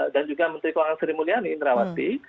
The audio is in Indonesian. dan juga menteri keuangan seri mulyani indra wati